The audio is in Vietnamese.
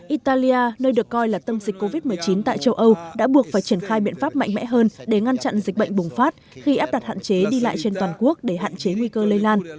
italia nơi được coi là tâm dịch covid một mươi chín tại châu âu đã buộc phải triển khai biện pháp mạnh mẽ hơn để ngăn chặn dịch bệnh bùng phát khi áp đặt hạn chế đi lại trên toàn quốc để hạn chế nguy cơ lây lan